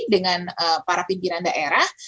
dengan para pimpinan daerah